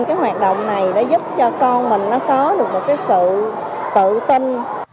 cái hoạt động này nó giúp cho con mình nó có được một cái sự tự tin